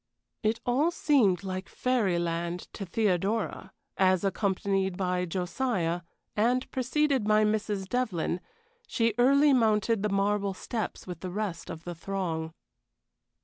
It all seemed like fairy land to Theodora as, accompanied by Josiah, and preceded by Mrs. Devlyn, she early mounted the marble steps with the rest of the throng.